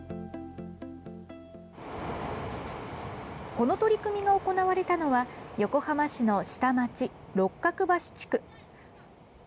この取り組みが行われたのは横浜市の下町・六角橋地区。